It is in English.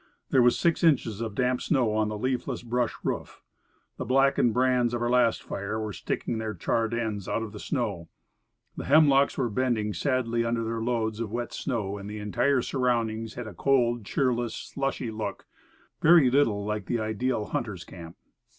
There was six inches of damp snow on the leafless brush roof, the blackened brands of our last fire were sticking their charred ends out of the snow, 46 Woodcraft the hemlocks were bending sadly under their loads of wet snow, and the entire surroundings had a cold, cheerless, slushy look, very little like the ideal hunt er's camp.